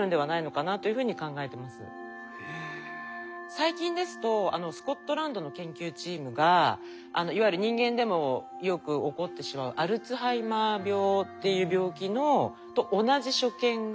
最近ですとスコットランドの研究チームがいわゆる人間でもよく起こってしまうアルツハイマー病っていう病気と同じ所見がイルカの脳から発見されたっていう研究成果を出しまして。